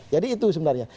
jadi itu sebenarnya